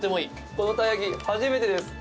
このたい焼き、初めてです。